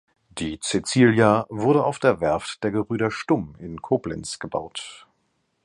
Die "Cäcilia" wurde auf der Werft der Gebrüder Stumm in Koblenz gebaut.